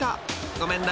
［ごめんな］